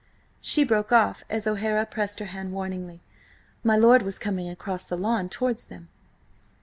She broke off as O'Hara pressed her hand warningly. My lord was coming across the lawn towards them.